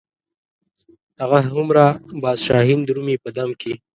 هغه هومره باز شاهین درومي په دم کې.